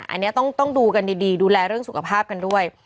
อันนี้ต้องดูกันดีดูแลเรื่องสุขภาพกันด้วย